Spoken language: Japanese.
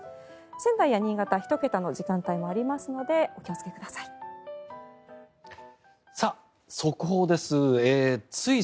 仙台や新潟は１桁の時間帯もありますのでお気をつけください。